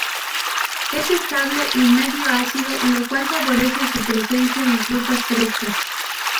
Es estable en medio ácido, lo cual favorece su presencia en frutas frescas.